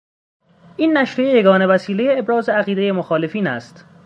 این نشریه یگانه وسیلهی ابراز عقیدهی مخالفین است.